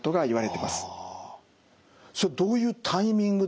それどういうタイミングで。